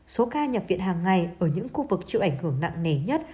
số ca nhập viện hàng ngày ở những khu vực chịu ảnh hưởng nặng nề nhất